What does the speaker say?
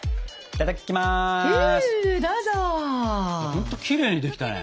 ほんときれいにできたね。